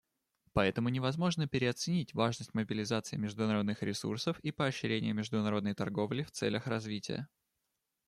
Поэтому невозможно переоценить важность мобилизации международных ресурсов и поощрения международной торговли в целях развития.